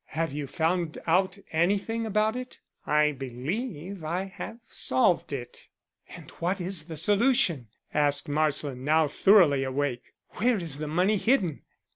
"Have you found out anything about it?" "I believe I have solved it." "And what is the solution?" asked Marsland, now thoroughly awake. "Where is the money hidden?"